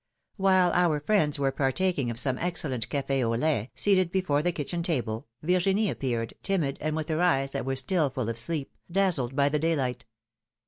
While our friends were partaking of some excellent cafe au lait, seated before the kitchen table, Virginie ap peared, timid, and with her eyes, that were still full of sleep, dazzled by the daylight.